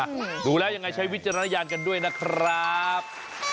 ดูแล้วยังไงใช้วิจารณญาณกันด้วยนะครับ